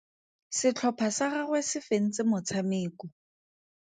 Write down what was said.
Setlhopha sa gagwe se fentse motshameko.